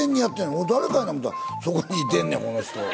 おもたら、そこにいてんねん、この人。